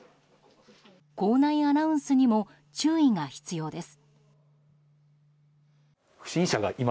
校内アナウンスにも注意が必要です。